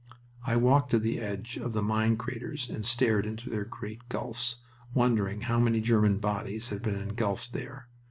I walked to the edge of the mine craters and stared into their great gulfs, wondering how many German bodies had been engulfed there.